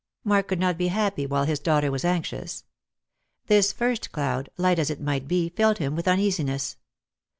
Mark could not be happy while his daughter was anxious. This first cloud — light as it might be — filled him with uneasiness.